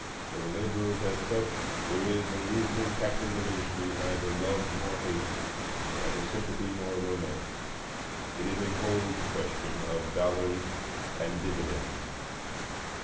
For the laborers as such, there is in these new captains of industry neither love nor hate, neither sympathy nor romance; it is a cold question of dollars and dividends.